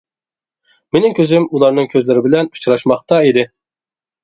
مېنىڭ كۆزۈم ئۇلارنىڭ كۆزلىرى بىلەن ئۇچراشماقتا ئىدى.